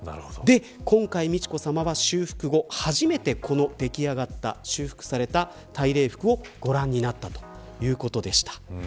今回、美智子さまは修復後初めてこの出来上がった、修復された大礼服をご覧になったということでした。